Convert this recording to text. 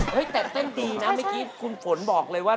แต่เต้นดีนะเมื่อกี้คุณฝนบอกเลยว่า